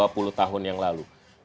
pertanyaan yang terakhir